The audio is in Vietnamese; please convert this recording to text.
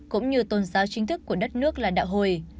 cũng như tôn giáo chính thức của đất nước là đạo hồi